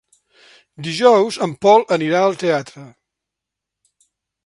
Dijous en Pol anirà al teatre.